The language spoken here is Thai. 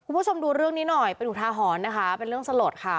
คุณผู้ชมดูเรื่องนี้หน่อยเป็นอุทาหรณ์นะคะเป็นเรื่องสลดค่ะ